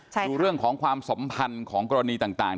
ดูเรื่องของความสัมพันธ์ของกรณีต่าง